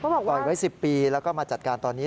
ปล่อยไว้๑๐ปีแล้วก็มาจัดการตอนนี้